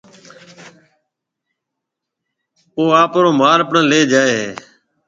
او آپرو مال پڻ ليَ جائيَ ھيََََ